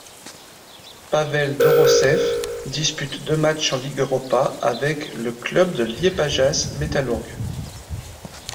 Pāvels Doroševs dispute deux matchs en Ligue Europa avec le club du Liepājas Metalurgs.